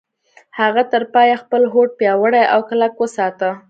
هغه تر پايه خپل هوډ پياوړی او کلک وساته.